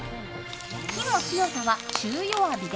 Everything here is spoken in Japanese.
火の強さは中弱火で。